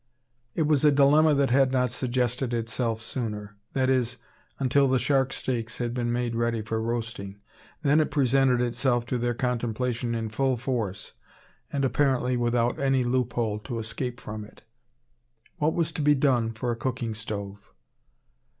It was a dilemma that had not suggested itself sooner that is, until the shark steaks had been made ready for roasting. Then it presented itself to their contemplation in full force, and apparently without any loophole to escape from it. What was to be done for a cooking stove?